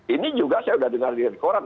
ini juga saya sudah dengar di rekorat